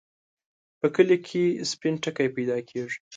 په کلي کې سپين ټکی پیدا کېږي.